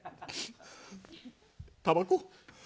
たばこ。